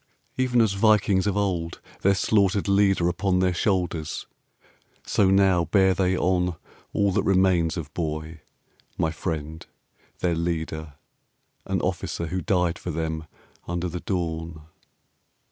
Even as Vikings of old their slaughtered leader Upon their shoulders, so now bear they on All that remains of Boy, my friend, their leader, An officer who died for them under the dawn.